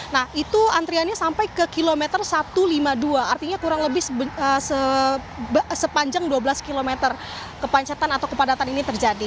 nah itu antriannya sampai ke kilometer satu ratus lima puluh dua artinya kurang lebih sepanjang dua belas km kepancetan atau kepadatan ini terjadi